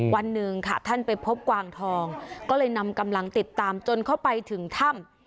วันหนึ่งค่ะท่านไปพบกวางทองก็เลยนำกำลังติดตามจนเข้าไปถึงถ้ำ